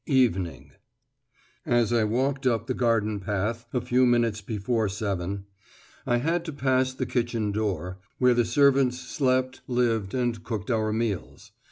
EVENING As I walked up the garden path a few minutes before seven, I had to pass the kitchen door, where the servants slept, lived, and cooked our meals.